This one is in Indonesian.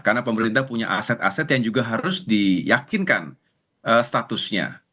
karena pemerintah punya aset aset yang juga harus diyakinkan statusnya